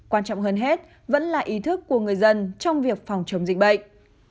quan trọng hơn hết vẫn là ý thức của người dân trong việc phòng chống dịch bệnh